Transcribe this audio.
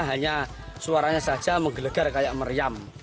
hanya suaranya saja menggelegar kayak meriam